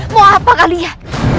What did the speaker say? mau apa kalian